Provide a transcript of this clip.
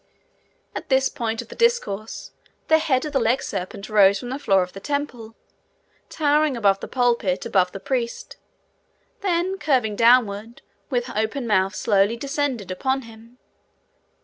At this point of the discourse the head of the legserpent rose from the floor of the temple, towering above the pulpit, above the priest, then curving downward, with open mouth slowly descended upon him.